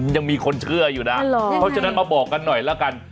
ยังมีคนเชื่ออยู่นะเพราะฉะนั้นมาบอกกันหน่อยละกัน